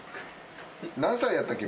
何歳やったっけ